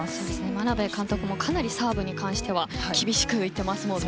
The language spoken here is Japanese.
眞鍋監督もかなりサーブに関しては厳しく言っていますもんね。